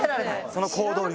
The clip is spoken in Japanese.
その行動力。